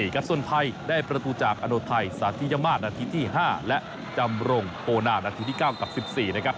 ครับส่วนไทยได้ประตูจากอโนไทยสาธิยมาตรนาทีที่๕และจำรงโปนานาทีที่๙กับ๑๔นะครับ